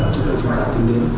của các chủ đề chủ đề